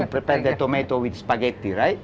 kita akan mencoba tomat dengan spaghetti kan